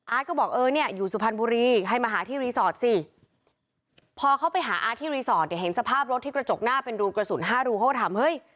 ก็บอกเออเนี่ยอยู่สุพรรณบุรีให้มาหาที่รีสอร์ทสิพอเขาไปหาอาร์ตที่รีสอร์ทเนี่ยเห็นสภาพรถที่กระจกหน้าเป็นรูกระสุนห้ารูเขาก็ถามเฮ้ย